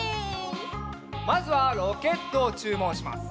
まずはロケットをちゅうもんします。